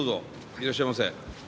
いらっしゃいませ。